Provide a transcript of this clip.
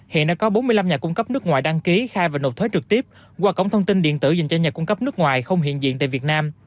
hãy đăng ký kênh để ủng hộ kênh của mình nhé